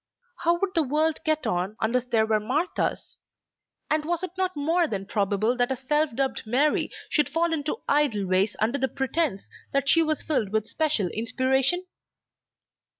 How would the world get on unless there were Marthas? And was it not more than probable that a self dubbed Mary should fall into idle ways under the pretence that she was filled with special inspiration?